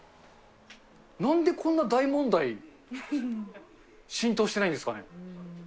なんでこんな大問題、浸透してないんですかね。